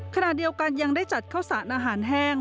ขณะเดียวกันยังได้จัดข้าวสารอาหารแห้ง